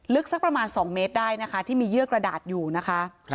สักประมาณ๒เมตรได้นะคะที่มีเยื่อกระดาษอยู่นะคะ